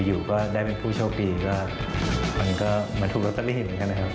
อยู่ก็ได้เป็นผู้โชคดีก็มันก็เหมือนถูกรักษาลินค่ะ